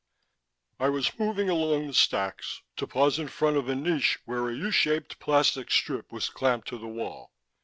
_I was moving along the stacks, to pause in front of a niche where a U shaped plastic strip was clamped to the wall.